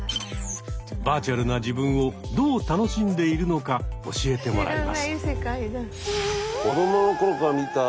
バーチャルな自分をどう楽しんでいるのか教えてもらいます。